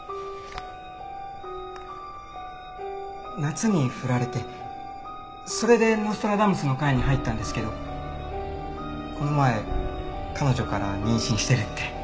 夏にフラれてそれでノストラダムスの会に入ったんですけどこの前彼女から妊娠してるって。